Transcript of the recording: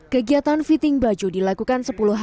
kegiatan fitting baju dilakukan sepuluh hari